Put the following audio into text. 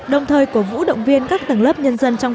đồng thời cổ vũ động viên các tầng lớp nhân dân trong